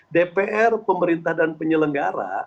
dpr pemerintah dan penyelenggara